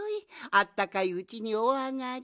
あったかいうちにおあがり。